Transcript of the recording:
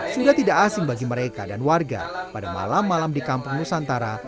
sudah tidak asing bagi mereka dan warga pada malam malam di kampung nusantara